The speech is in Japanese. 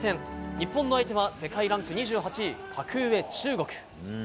日本の相手は世界ランク２８格上、中国。